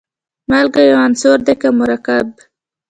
مالګه یو عنصر دی که مرکب.